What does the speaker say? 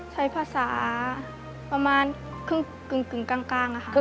ใช้ภาษาประมาณครึ่งกลางค่ะ